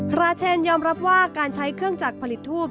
ราเชนยอมรับว่าการใช้เครื่องจักรผลิตทูป